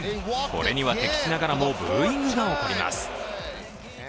これには敵地ながらもブーイングが起こります。